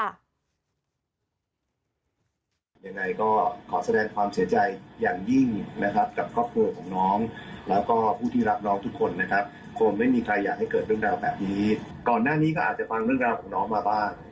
ไม่มีภาพนั้นในสิ่งที่เห็นเลยเขาก็เต็มที่กับชีวิตตรงหน้าเขา